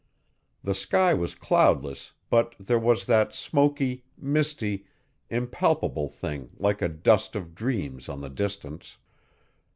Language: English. The sky was cloudless but there was that smoky, misty, impalpable thing like a dust of dreams on the distance.